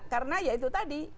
karena ya itu tadi